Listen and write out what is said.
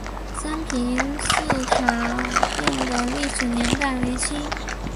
三平寺塔殿的历史年代为清。